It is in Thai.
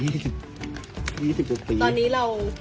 ตอนนี้เรา